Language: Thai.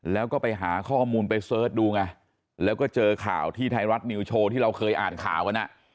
แล้วก็ไปหาข้อมูลไปเสิร์ชดูไงแล้วก็เจอข่าวที่ไทยรัฐนิวโชว์ที่เราเคยอ่านข่าวกัน